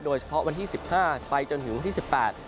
โดยเฉพาะวันที่๑๕ไปจนถึงวันที่๑๘